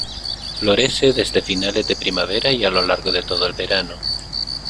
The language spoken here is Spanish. Florece desde finales de primavera y a lo largo de todo el verano.